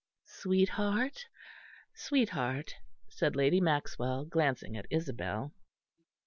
"Sweetheart, sweetheart," said Lady Maxwell, glancing at Isabel.